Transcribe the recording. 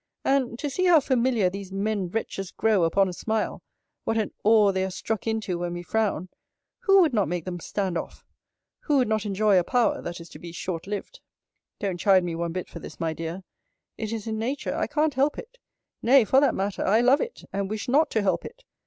And, to see how familiar these men wretches grow upon a smile, what an awe they are struck into when we frown; who would not make them stand off? Who would not enjoy a power, that is to be short lived? Don't chide me one bit for this, my dear. It is in nature. I can't help it. Nay, for that matter, I love it, and wish not to help it.